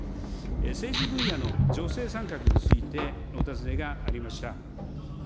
政治分野の女性参画についてお尋ねがありました。